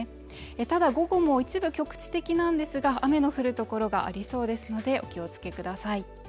ただ、午後も一部局地的なんですが雨の降るところがありそうですので、お気をつけください。